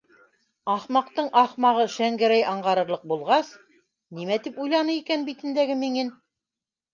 Ахмаҡтың ахмағы Шәңгәрәй аңғарырлыҡ булғас, нимә тип уйланы икән битендәге миңен?